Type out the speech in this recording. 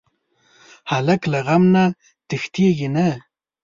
هلک له غم نه تښتېږي نه.